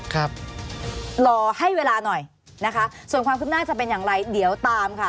ครับรอให้เวลาหน่อยนะคะส่วนความคืบหน้าจะเป็นอย่างไรเดี๋ยวตามค่ะ